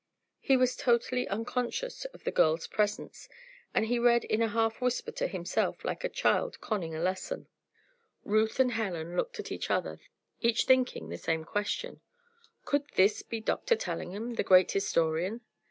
He was totally unconscious of the girls' presence, and he read in a half whisper to himself, like a child conning a lesson. Ruth and Helen looked at each other, each thinking the same question. Could this be Doctor Tellingham, the great historian?